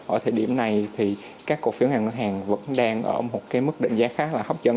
ở thời điểm này thì các cổ phiếu ngành ngân hàng vẫn đang ở một cái mức định giá khá là hấp dẫn